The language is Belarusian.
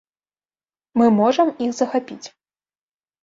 Мы можам іх захапіць.